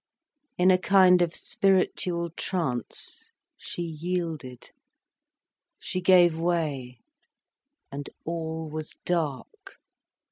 In a kind of spiritual trance, she yielded, she gave way, and all was dark.